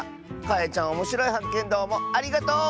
かえちゃんおもしろいはっけんどうもありがとう！